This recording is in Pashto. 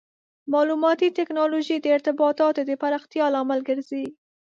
مالوماتي ټکنالوژي د ارتباطاتو د پراختیا لامل ګرځي.